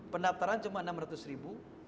pendaftaran cuma enam ratus ribu